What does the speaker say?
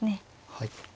はい。